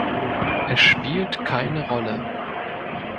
Es spielt keine Rolle.